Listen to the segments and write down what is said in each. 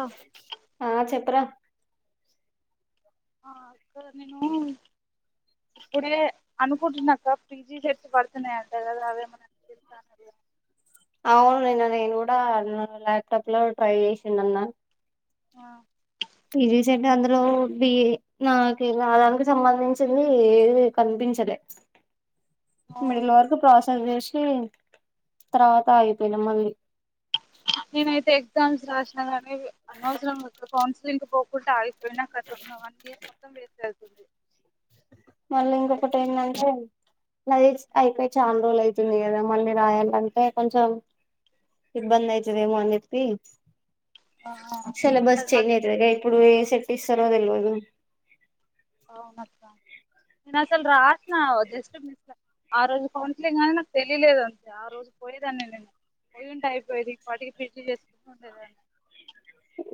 ఆ ఆ చెప్పరా ఆ అక్కడ నేను ఇప్పుడే అనుకుంటున్నక్క పీజీ చేర్సి పడుతున్నాయంట కదా అవేమన [unintelligible] అవును నిన్న నేను కూడా ల్యాప్టాప్లో ట్రై చేసిన అన్న ఆ పిజీసెంట్ అందులో బిఏ నాకీలా దానికి సంబంధించింది ఏది కనిపి ంచలే అవునా మిడిల్ వరకు ప్రాసెస్ చేసి తర్వాత ఆగిపోయినా మళ్ళీ నేనైతే ఎగ్జామ్స్ రాసినా గానీ అనవసరం కౌన్సిలింగ్ కి పోకుంట అయ్ [unintelligible] వన్ ఇయర్ మొత్తం వేస్టే అవుతుంది మళ్ళీ ఆ రోజు ఇంకొకటి ఏందంటే మైన్స్ అయిపోయి చాన్ రోజులు అయితుంది కదా మళ్ళీ రాయాలంటే కొంచెం ఇబ్బందైతదేమో అని చెప్పి ఆ సిలబస్ అది వన్ చేయలేదే ఇప్పుడు ఏ సెట్ ఇస్తారో తెల్వదు అవునక్క నేను అసలు రాసిన, జస్ట్ మిస్ ఆ రోజు కౌన్సిలింగ్ అని నాకు తెలియలేదు అంతే ఆ రోజు పోయేదాన్ని నేను పోయుంటే అయిపోయేది ఈపాటికి పీజీ చేసుకుంటూ ఉండేదాన్ని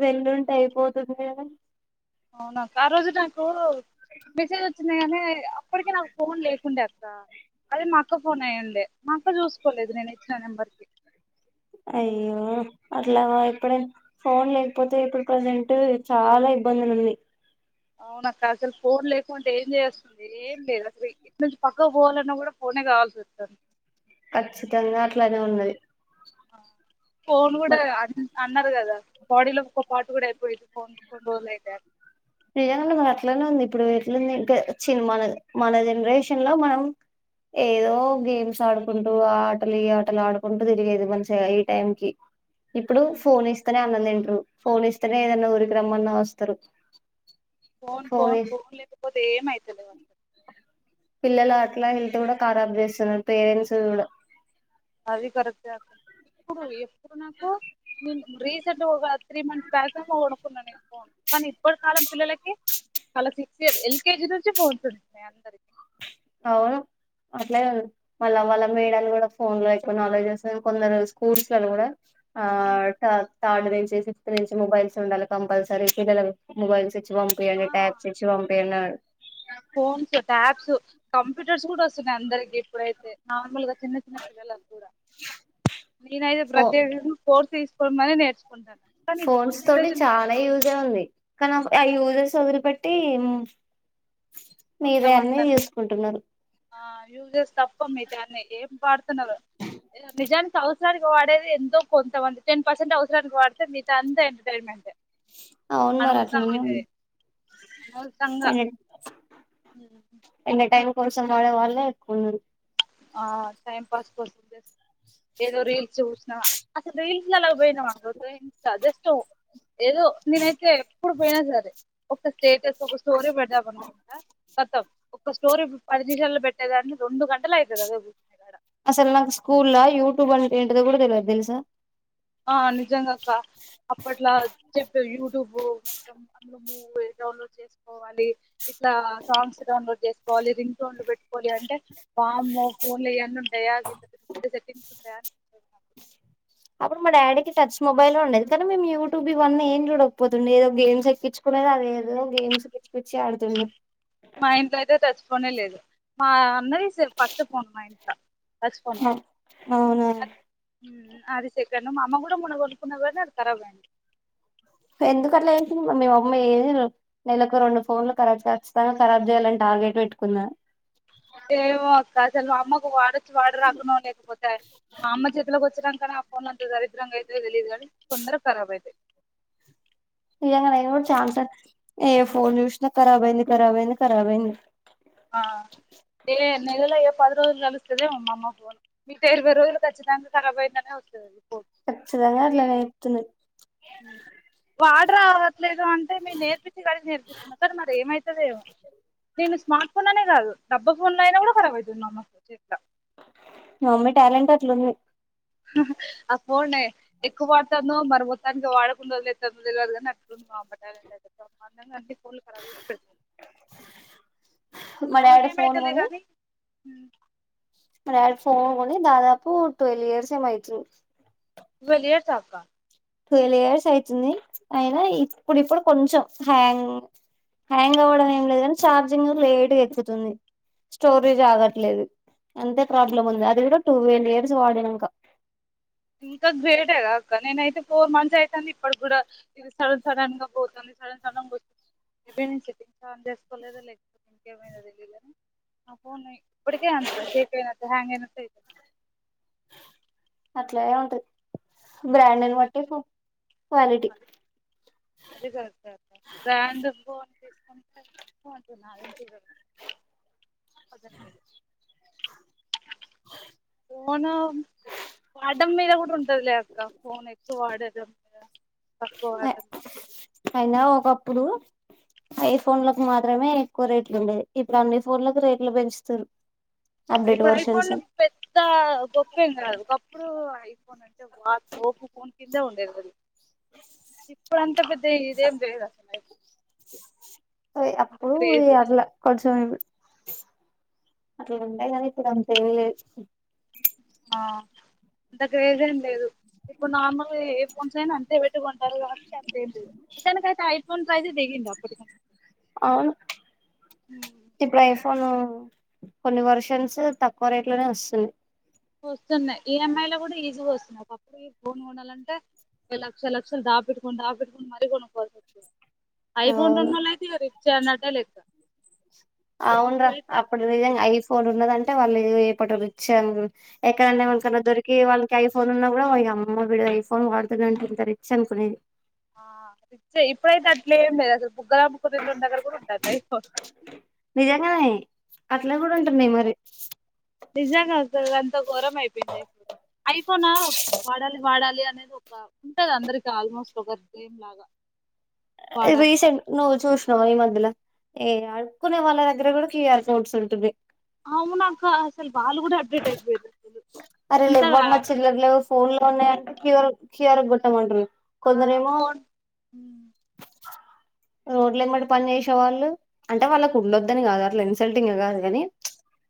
వెళ్ళుంటే అయిపోతుండే గదా అవునక్క ఆ రోజు నాకు మెసేజ్ వచ్చింది కాని అప్పటికి నాకు ఫోన్ లేకుండే అక్క, అది మా అక్క ఫోన్ అయ్యుండే మా అక్క చూసుకోలేదు నేను ఇచ్చిన నెంబర్ కి అయ్యో, అట్లా ఎప్పుడైన ఫోన్ లేకపోతే ఇప్పుడు ప్రజెంట్ చాలా ఇబ్బందిగుంది అవునక్క అసలు ఫోన్ లేకుంటే ఏం చేయోస్తుంది, ఏం లేదు అసలు ఇట్నుంచి పక్కకు పోవాలన్నా కూడా ఫోన్ నే కావల్సోత్తాంది ఖచ్చితంగా అట్లానే ఉన్నది ఫోన్ మ కూడా అ అన్నారు కదా బాడీలో ఒక్క పాటు కూడా అయిపోయింది కొ కొన్ని రోజలు అయితే నిజంగా మరి అట్లనే ఉంది ఇప్పుడు ఎట్లుంది ఇంక చి మన మన జనరేషన్ లో మనం ఏదో గేమ్స్ ఆడుకుంటూ ఆ ఆటలు ఈ ఆటలు ఆడుకుంటూ తిరిగేది, మంచిగా ఈ టైం కి ఇప్పుడు ఉమ్. ఫోన్ ఇస్తేనే అన్న తింట్రు, ఫోన్ ఇస్తేనే ఏదన్నా ఊరికి రమ్మన్నా వస్తరు. ఫోన్ ఫోన్ ఫోన్ లేకపోతే ఏమవుతులే అసలు పిల్లల అట్లా హెళ్త్ కూడా ఖరాబ్ చేస్తున్నారు పేరెంట్స్ కూడా అది కరెక్టే అక్క ఇప్పుడు ఎప్పుడు నాకు, నేను రీసెంట్ ఒక త్రీ మంత్స్ బ్యాకేమో కొనుకున్నా నేను ఫోన్ కానీ ఇప్పటి కాలం పిల్లలకి చాలా సిక్స్ ఇయర్, ఎల్కేజీ నుంచి ఫోన్స్ ఉంటున్నాయి అందరికీ అవును అట్లేనే మళ్ళ వాళ్ళ మేడాళ్ళు కూడా ఫోన్ లో ఎక్కువ నాలెడ్జ్ చేస్తు, కొందరు స్కూల్స్ లలో కూడా ఆ తా థార్డ్ నుంచి, ఫిఫ్త్ నుంచి మొబైల్స్ ఉండాలి కంపల్సరీ పిల్లల మొబైల్స్ ఇచ్ ఆ పంపియ్యండి టాబ్స్ ఇచ్చి పంపియ్యండన్ ఫోన్స్, ట్యాబ్స్, కంప్యూటర్స్ కూడా వస్తున్నాయి అందరికి ఇప్పుడైతే నార్మల్గా చిన్న చిన్న పిల్లల కూడా నేనైతే ఫో ప్రత్యేకంగా కోర్స్ తీస్ కొని మరి నేర్చుకుంటానా ఫోన్స్ తోటి చాలా యూజే ఉంది, కానీ ఆ ఆ యూజెస్ వదిలిపెట్టి మొత్తం మీతాయన్నీ అంతా చూసుకుంటున్నారు. ఆ యూజెస్ తప్ప మీగతయన్ని ఏం వాడుతున్నారో నిజానికి అవసరానికి వాడేది ఎంతో కొంతమంది, టెన్ పర్సెంట్ అవసరానికి వాడితే మిగతాదంతా ఎంటర్టైన్మెంటే అవును మరి అనవసరంగ అట్లనే ఉంది. పోయిందది ఎ అనవసరంగా మెల్లగా [unintelligible] ఎంటర్టైన్ కోసం వాళ్ళ వాళ్ళే ఎక్కువున్నారు ఆ టైం పాస్ కోసం చేస్ ఏదో రీల్స్ చూసిన ఇ అలా పోయినాం అనుకో [unintelligible] ఏదో నేనైతే ఎప్పుడు పోయినా సరే ఒక్కొ స్టేటస్ ఒక స్టోరీ పెడదాం అనుకుంటా మొత్తం ఒక స్టోరీ పది నిమిషాల్లో పెట్టేదాన్ని రెండు గంటలు అయిపయినాది ఆరోజు అసలు నాకు స్కూల్లో యూట్యూబ్ అంటే ఏంటిదో కూడా తెలివదు తెలుసా ఆ అందుకే ఇంకా అక్క అప్పట్లో చెప్పే యూట్యూబ్ మొత్తం అందు కోవాలి ఇట్లా సాంగ్స్ డౌన్లోడ్ చేసుకోవాలి రింగ్ టోన్లు పెట్టువాలి అంటే అమ్మో ఈ ఫోన్లో ఇవన్నీ ఉంటాయా ఇంత పెద్ద పెద్ద సెట్టింగ్స్ ఉంటాయా అనిపిత్తాది అప్పుడు మా డాడీకి టచ్ మొబైల్ ఉండేది కానీ మేము యూట్యూబ్ ఇవన్నీ ఏం చూడకపోతిమి ఏదో గేమ్స్ ఎక్కించుకుంట అది ఏదో గేమ్స్ పిచ్చిపిచ్చి ఆడుతుండే మా ఇంట్లో అయితే టచ్ ఫోనే లేదు టచ్ ఫోన్ హ అవున అది సెకండ్ మా అమ్మ కూడా మొన్న కొనుక్కున్నది గాని అది ఖరాబ్ అయింది ఎందుకు అట్లా చేసింది మీ అమ్మ ఏందో నెలకు రెండు ఫోన్లు ఖరాబ్ చేస్త రాబ్ [unintelligible] చేయాలంట అవే పెట్టుకున్న ఏమో అక్క అసలు మా అమ్మకు వాడొచ్చు వాడరాకున్న లేకపోతే మా అమ్మ చేతిలోకి వచ్చినా నా ఫోన్ అంతేగా దరద్రంగా అయితే తెలియదుగాని తొందరగా ఖరాబ్ అయితాయి నిజంగా నేను కూడా ఛాన్స ఏ ఫోన్ చూసినా ఖరాబ్ అయింది ఖరాబ్ అయింది ఖరాబ్ అయింది ఆ ఏ నెలలో ఏ పది రోజులు కలుస్తదేమో మా అమ్మ ఫోన్ మీ ఇరవై రోజులు ఖచ్చితంగా ఖారాబ్ అయిందని వస్తాది అది కచ్చితంగా అట్లనే చెప్తుండు యాడ రావట్లేదు అంటే మీరు నేర్పించి కాడికి నేర్పిస్తున్నా కానీ మరి ఏమై నేను స్మార్ట్ ఫోన్ అనే కాదు డబ్బ ఫోన్లో అయినా కూడా ఖారాబ్ ఐతాది మా అమ్మకు ఇట్లిట్లా మీ అమ్మ టాలెంట్ అట్లుంది అ ఫోనే ఎక్కువ వాడుతాందో మరీ మొత్తానికి వాడకుండా వదిలేత్తాందో తెలవదు కానీ అట్లా ఉంది మా అమ్మ ట్యాలెంట్ అయితే భ్రమ్హండగా ఉంది మా ఆమెకు డాడీ ఫోన్ ఏమవుతాది లే కానీ మరి వాళ్ళు ఫోన్ కొని దాదాపు ట్వెల్వ్ ఇయర్స్ ఏమో అయితుంది ట్వెల్వ్ ఇయర్స్ ఆ అక్క ట్వల్వ్ ఇయర్స్ అయితుంది అయినా ఇప్పుడిప్పుడు కొంచెం హ్యాంగ్ హ్యాంగ్ అవ్వడం ఏం లేదు కాని ఛార్జింగ్ లేటు ఏక్కుతుంది స్టోబిజ్ ఆగట్లేదు అంతే ప్రాబ్లం ఉంది అది కూడా ట్వల్వ్ ఇయర్స్ వాడినంక ఇంకా గ్రేట్ కదక్కా నేనయితే ఫొర్ మంత్స్ అయితాంది ఇప్పడికి కూడా ఇది ఫోన్ సడన్ గా పోతుంది [unintelligible] తెలియదు కానీ నా ఫోన్ ఏం ఇప్పటికీ అంతే షేక్ అయినట్టు హ్యాంగ్ అయినట్టు అయితాది బ్రాండెడ్ ని అయితుంది బట్టి క్వాలిటీ అది కరెక్టె అక్క నాదేం [unintelligible] ఫోను వాడడం మీద కూడా ఉంటాది లే అక్క ఫోన్ ఎక్కువ వాడాకూడదంటా తక్కువ వాడల్ల అయినా ఒకప్పుడు ఐ ఫోన్లకు మాత్రమే ఎక్కువ రేట్లు ఉండేవి ఇప్పుడు అన్ని ఫోన్లకు రేట్లు పెంచుతుర్రు ఇప్పుడు ఐఫోన్లు పెద్ద గొప్పేం కాదు ఒకప్పుడు ఐఫోన్ అంటే వా తోపు ఫోన్ కింద ఉండేది అది ఇప్పుడంతా పెద్ద ఇదేం లేదు అసలు అ అప్పుడు అట్ల కొంచముది అట్లుంటాయి కానీ ఇప్పుడు అంత ఏం లేదు అంత క్రేజ్ ఏం లేదు ఇప్పుడు నార్మల్ ఏ ఫోన్స్ అయినా అంతే పెట్టి కొంటారు కాబట్టి అంతేంది ఇతనికైతే ఐ ఫోన్ ప్రైజ్ దప్పుడు అవును [unintelligible] కొను కొన్ని వర్షన్స్ తక్కువ రేట్ లోనే వస్తుంది. వస్తున్నాయి ఈఎంఐ లో కూడా ఈజీగా వస్తున్నాయి ఒకప్పుడు ఐఫోన్ కొనాలంటే లక్ష లక్షలు దాబట్టుకోని డబట్టుకొని మరీ కొనుక్కోంది ఐఫోన్ అవును ఉన్నళ్ళ అయితే రిప్ చేయన్నట్టే లెక్క అవున్రా ఇప్పుడైతే అప్పుడు అట్లేం లేదు నిజంగా ఐఫోన్ ఉన్నదంటే వాళ్ళు ఏ పట రిచా ఎక్కడన్నా మకన్నా దొరికి వాళ్ళకి ఐఫోన్ ఉన్నా కూడా వా అమ్మడు ఐఫోన్ అర్ధ గంటె ఎంత రిచ్ అనుకునేది ఆ చ ఇప్పుడైతే అట్లేం లేదు అ ముగ్గర ముక్కతిట్న్న దగ్గర కూడా ఉంటుంది అయో నిజంగానే అట్లా కూడా ఉంటున్నాయి మరి ఓరం అయిపోఇంది అయి ఐఫోన్ నా వాడాలి వాడాలి అనేది ఒక ఉంటది అందరికి ఆల్మోస్ట్ ఒక గేమ్ లాగా వాడాలి కానీ రీసెంట్ నువో్వు చూసన్నావు ఈ మధ్యలో ఏ అడుక్కునే వాళ్ళ దగ్గర కూడా కిఎయర్పోర్ట్స్ ఉంటుంది అవునా అక్కా అసలు బాలు కూడా అప్డేట్ అయిపోది అసలు అరే ఇంత లెవ్వమ్మ చిల్లర లేవు ఫోన్ లోనేంట క కిూర గ గుటే మండలు ఆ కోన్ రోడ్లు ఎంబడి పని చేసేవాళ్ళు అంటే వాళ్ళ కుండద్దని కాదు అట్లా ఇన్సల్టింగ్ కాదు కాని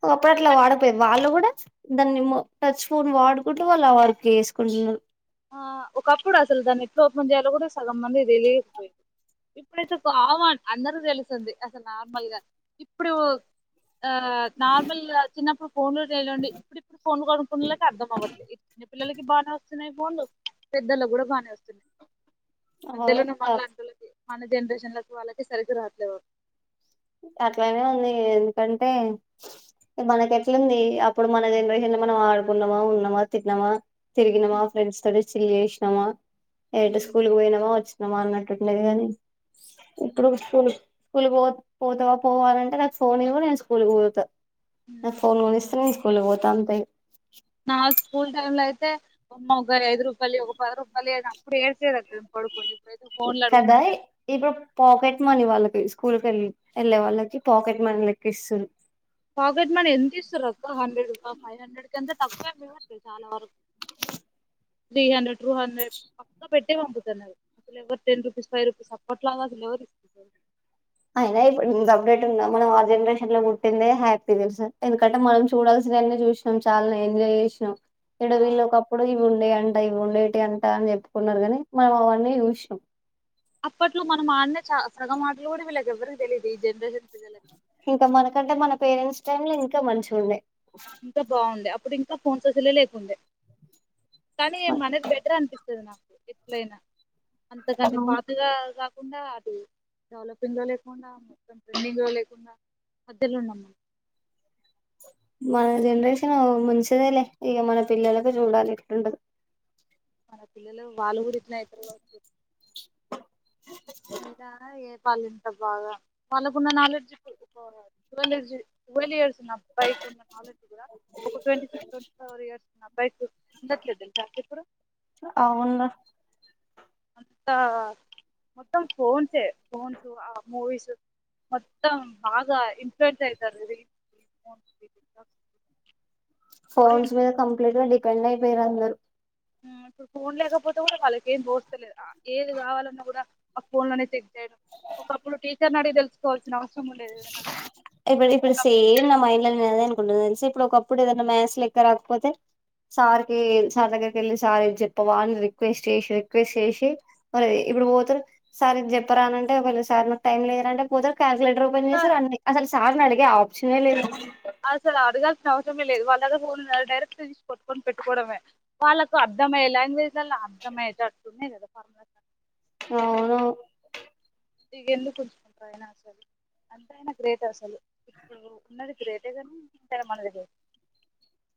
ఒకప్పుడు అట్లా వాడపోయది వాళ్ళు కూడా దాన్ని టచ్ ఫోన్ వాడుకుంటూ వాళ్ళు ఆ వర్క్ వేసుకుంటున్నారు ఆ ఒకప్పుడు అసలు దాన్ని ఎట్లా ఓపెన్ చేయాలో కూడా సగం మంది తెలీదు ఇప్పుడైతే కోవాన్ అందరుూ తెలుస్తుంది అసలు నార్మల్గా ఇప్పుడు ఆ నార్మల్ చిన్నప్పుడు ఫోన్లు చేయండి ఇప్పుడు ఇప్పుడు ఫోన్ కొనుకున్నళ్కి అర్థం అవ్వట్లే చిన్న పిల్లకి బానే వస్తున్నాయి ళ్ పెద్దలు కూడా బాగానే వస్తున్నాయి మధ్యలో వాళ్ళ మనలాంటోలకి మన జనరేషన్ల వాళ్ళకి సరిగ్గా రావట్లేదు అట్లానే ఉంది ఎందుకంటే మనక ఎట్లుంది అప్పుడు మన జనరేషన్ లో మనం ఆడుకున్నామా ఉన్నామా తిన్నామా తిగినమా ఫ్రెండ్స్ తో చిల్ చేసినమా ఎటు హ్మ్. స్కూల్కి పోయినామా వచ్చ మా అన్నట్లుండేది కాని ఇప్పుడు స్కూల్ స్కూల్ పో పోతావా పోవాలంటే నాకు ఫోన్ ఇవ్వు నేను స్కూల్ పోతాను నాకు హ్మ్. ఫోన్ కొనిస్తే నేన్ కోలిపోతంత నా స్కూల్ టైమ్ లో అయితే అమ్మ ఒకా ఐదు రూపాయలు ఒక పద రూపాయలు అప్పుడు ఏడ్చేది కదా ఇప్పుడు పాకెట్ మనీ వాళ్ళకి తీసుకో స్కూల్ కెళ్ళే వెళ్ళే వాళ్ళకి పాకెట్ మనీ లెకిస్తున్నారు పాకెట్ మనీ ఎంత ఇస్తారుా హండ్రెడ్ ఫైవ్ హండ్రెడ్ క ఎంత తక్కువే మీ చాలా వరకు త్రీ హండ్రెడ్ టూ హండ్రెడ్ పక్కా పెట్టే పంపుతున్నారు అసలు ఎవరు టెన్ రూపీస్ ఫైవ్ రూపీస్ అప్పట్లాగా అసలు ఎవరు ఇస్తుంది అయినా ఇప్పుడుంత అప్డేట్ ఉందా మనం ఆ జనరేషన్ లో పుట్టింద హ్యాపీ తెలుసు ఎందుకంటే మనం చూడాల్సిన చూసినాం చాలా ఎంజాయ్ చేసినా ఇడ ఆ, వీళ్ళ ఒకప్పుడు ఇవి ఉండేయి అంట ఇ ఉండేటి అంట అని చెప్పుకున్నారు కాని మనం అవన్నీ చూసాం అప్పట్లో మనం ఆడినే చ సగ మాటలు కూడా వీళ్ళకి ఎవరికి తెలియదు ఈ జనరేషన్ పిల్లలకి ఇంక మనకంటే మన పేరెంట్స్ టైమ్ లో ఇంకా మంచి ఉండే ఇంకా బాగుండే అప్పుడు ఇంకా ఫోన్స్ అసలే లేకుండే కానీ మనేది బెటర్ అనిపిస్తుంది నాకు ఎట్లయినా అంతకంటే పాతగా లేకుండా అది డెవలపింగ్ లో లేకుండా మొత్తం ట్రెండింగ్ లో లేకుండా పెద్దలు ఉన్నమ్మా మన జెనరషన్ ముంచిదలేే ఈక మన పిల్లలకు చూడాల ఇట్ండదో మన పిల్లలు వాళ్ళు కూడా ఇట్న ఇతరు కావచ్చు ఏ వాళ్ళు ఇంత బాగా వాళ్ళకున్న నాలెడ్జ్ వల్ ఇయర్స్ బై ఉన్న నాలెడ్జ్ కూడా ఒక ట్వంటీ సిస్ ట్వంటీ ఫోర్ ఇయర్స్ బై అందట్లేదా చాకిపుడు అవున్ర అంతా మొత్తం ఫోన్సే ఫోన్సు ఆ మూవీస్ మొత్తం బాగా ఇంఫేంట్ అయితారు ఇది ఇన్మోన్ ఇది ఫోన్స్ మీద కంప్లీట్ గా డిపెండ్ అయిపోయారు అందరు ఉమ్, ఇప్పుడు ఫోన్ లేకపోతే కూడా వాళ్ళకి ఏం తోస్తలేదు ఏది కావాలన్నా కూడా ఆ ఫోన్ లనే చెక్ చేయడం ఒకప్పుడు టీచర్ని అడిగి తెలుసుకోవాల్సిన అవస్ ఇప్పుడిప్పుడు సేమ్ నా మైండ్లనె నేను అదే అనుకున్న నాక్ తెలుసి ఇప్పుడు ఒకప్పుడు ఏదైనా మ్యాస్ లెక్క రాకపోతే సార్కి సార్ దగ్గరికెళ్ళి సార్ ఇది చెప్పవా అనీ రిక్వెస్ట్ చేసి రిక్వెస్ట్ చేసి మరే ఇప్పుడు పోతరు సార్ ఇద్ చెప్పరా అనంటే ఒకట్ సార్ నాకు టైం లేదరంటే పోతరు క్లాస్లక్ ఓపెన్ అంతా చేసారు అన్ని అసలు సార్ని అడిగే ఆప్షనే లేదు అసలు అడగాల్సిన అవసరమే లేదు వాళ్ళ దగ్గర ఉన్నది డైరెక్ట్ తీసి కొట్టుకొని పెట్టుకోవమే వాళ్ళకు అర్ద్ అర్థమయ్యే లాంగ్వేజ్లల్ల అర్థమయ్యేట అటున్నాయి కదా ఫార్మ అవును అవును ఇగ ఎందుకుంచుకుంటారు అయనా అసలు అంత అయినా గ్రేట్ అసలు ఇప్పుడు ఉన్నది గ్రేటే కాని ఎంతైన మనక్ తేల్వద్ [unintelligible]